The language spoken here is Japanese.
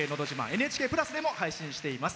「ＮＨＫプラス」でも配信しています。